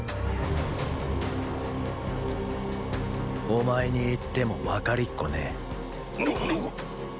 お前に言っても分かりっこねぇ。！